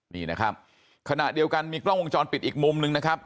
นี่นะครับขณะเดียวกันมีกล้องวงจรปิดอีกมุมนึงนะครับ